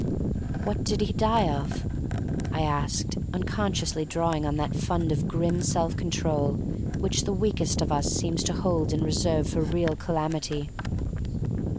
"What did he die of?" I asked, unconsciously drawing on that fund of grim self control which the weakest of us seem to hold in reserve for real calamity.